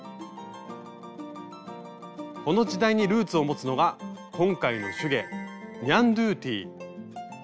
この時代にルーツを持つのが今回の手芸「ニャンドゥティ」。